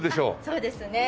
そうですね。